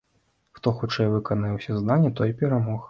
Хто хутчэй выканае ўсе заданні, той і перамог.